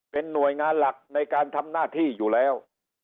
เป็นหน่วยงานหลักในการทำหน้าที่อยู่แล้ว